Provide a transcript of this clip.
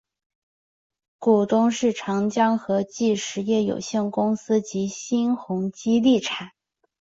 股东是长江和记实业有限公司及新鸿基地产。